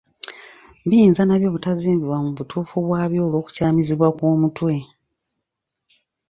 Biyinza n’abyo obutazimbibwa mu butuufu bwabyo olw’okukyamizibwa kw’omutwe.